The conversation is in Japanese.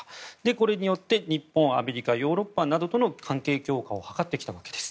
これによって日本、アメリカヨーロッパなどとの関係強化を図ってきたわけです。